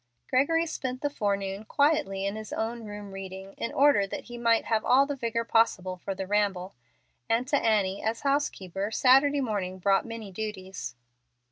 Gregory spent the forenoon quietly in his own room reading, in order that he might have all the vigor possible for the ramble. And to Annie, as housekeeper, Saturday morning brought many duties.